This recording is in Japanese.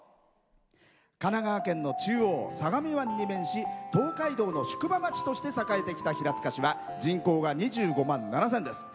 神奈川県の中央、相模湾に面し東海道の宿場町として栄えてきた平塚市は人口が２５万７０００です。